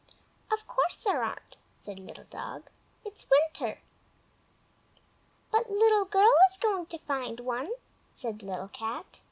"Of course there aren't!" said Little Dog. "It is winter." "But Little Girl is going to find one," said Little Cat.